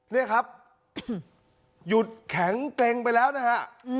นี่ครับหยุดแข็งเกร็งไปแล้วนะฮะ